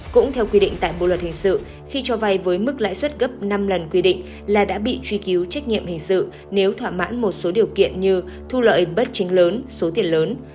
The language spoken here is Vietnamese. cũng theo quy định tại bộ luật hình sự khi cho vay với mức lãi suất gấp năm lần quy định là đã bị truy cứu trách nhiệm hình sự nếu thỏa mãn một số điều kiện như thu lợi bất chính lớn số tiền lớn